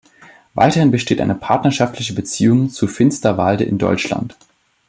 Weiterhin besteht eine partnerschaftliche Beziehung zu Finsterwalde in Deutschland.